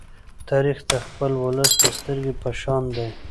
تاریخ د خپل ولس د سترگې په شان دی.